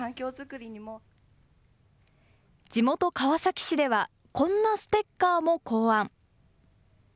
地元、川崎市ではこんなステッカーも考案。